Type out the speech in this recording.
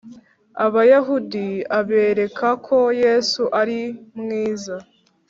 Abayahudi abereka ko Yesu ari mwiza